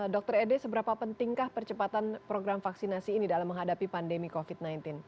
dr ede seberapa pentingkah percepatan program vaksinasi ini dalam menghadapi pandemi covid sembilan belas